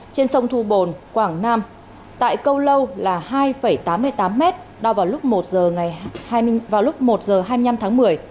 trên sông thu bồn quảng nam tại câu lâu là hai tám mươi tám m đau vào lúc một h hai mươi năm tháng một mươi